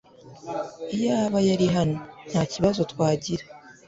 Iyaba yari hano, ntakibazo twagira.